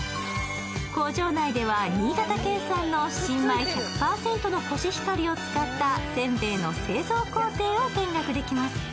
工場内では新潟県産の新米１００％のコシヒカリを使ったせんべいの製造工程を見学できます。